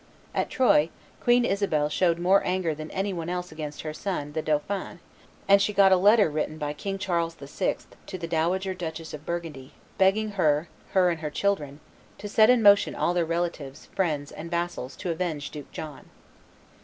At Troyes Queen Isabel showed more anger than any one else against her son, the dauphin; and she got a letter written by King Charles VI. to the dowager Duchess of Burgundy, begging her, her and her children, "to set in motion all their relatives, friends, and vassals to avenge Duke John."